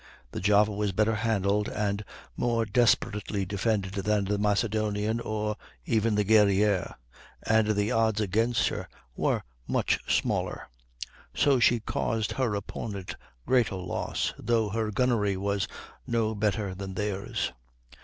The Java was better handled and more desperately defended than the Macedonian or even the Guerrière. and the odds against her were much smaller; so she caused her opponent greater loss, though her gunnery was no better than theirs.